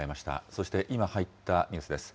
そして今、入ったニュースです。